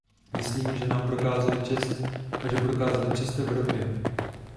Myslím, že nám prokázali čest a že prokázali čest Evropě.